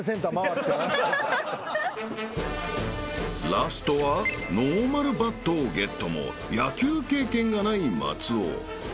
［ラストはノーマルバットをゲットも野球経験がない松尾］